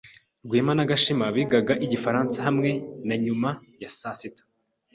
Rwema na Gashema bigaga igifaransa hamwe nyuma ya saa sita.